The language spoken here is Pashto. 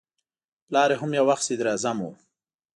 پلار یې هم یو وخت صدراعظم و.